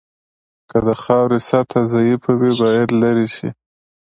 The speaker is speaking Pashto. که د خاورې سطحه ضعیفه وي باید لرې شي